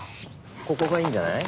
ここがいいんじゃない？